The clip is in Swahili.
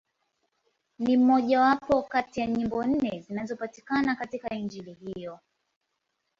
Ni mmojawapo kati ya nyimbo nne zinazopatikana katika Injili hiyo.